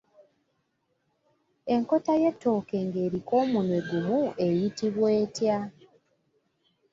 Enkota y’ettooke ng’eriko omunwe gumu eyitibwa etya?